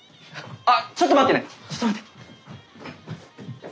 あっちょっと待ってねちょっと待って。